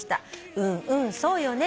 「うんうんそうよね。